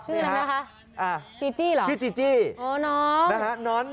ชื่อลาคะจีจี้เหรอน้อง